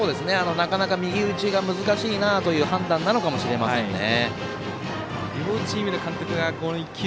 なかなか右打ちが難しいなという判断なのかもしれませんね。